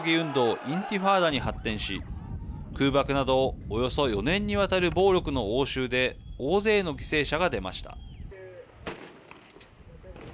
インティファーダに発展し空爆など、およそ４年にわたる暴力の応酬で大勢の犠牲者が出ました。